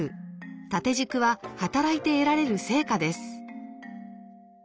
縦軸は働いて得られる成果です。